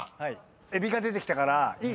「エビ」が出てきたからいい？